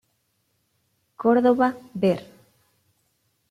Córdoba, Ver.